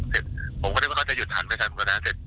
เสร็จผมก็คิดว่าเขาจะหยุดหันไปทางหน้าเสร็จ